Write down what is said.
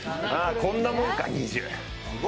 こんなもんか、２０。